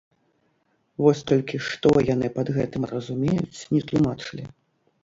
Вось толькі што яны пад гэтым разумеюць, не тлумачылі.